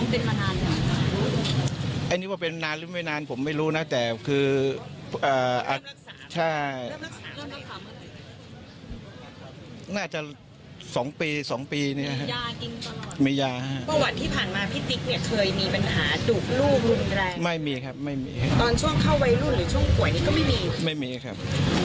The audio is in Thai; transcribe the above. พอจะฆ่าเขาแล้วเข้ามาหน้าแล้วเกิดจากอะไรอยู่กัน